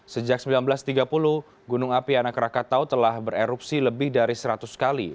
sejak seribu sembilan ratus tiga puluh gunung api anak rakatau telah bererupsi lebih dari seratus kali